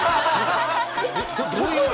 どういう。